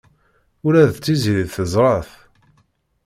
Ula d Tiziri teẓra-t.